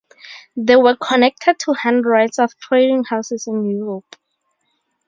They were connected to hundreds of trading houses in Europe.